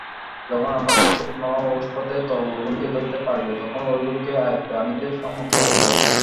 যখন আমরা সূক্ষ্মাবস্থাতেই তরঙ্গগুলিকে ধরিতে পারিবে, তখনই ঐগুলিকে আয়ত্তে আনিতে সমর্থ হইব।